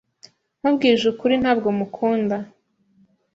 Nkubwije ukuri, ntabwo mukunda.